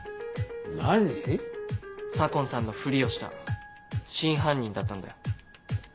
何⁉左紺さんのふりをした真犯人だったんだよ。